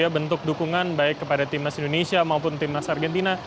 bentuk dukungan baik kepada timnas indonesia maupun timnas argentina